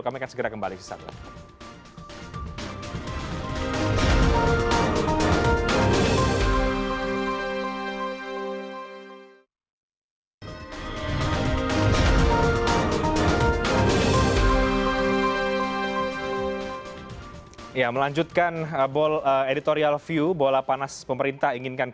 kami akan segera kembali ke sana